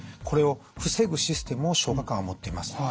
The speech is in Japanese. これを防ぐシステムを消化管は持っています。